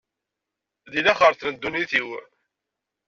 Di laxert n ddunit-iw.